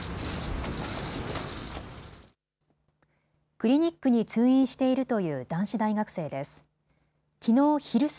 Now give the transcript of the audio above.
クリニックに通院しているという男子大学生です。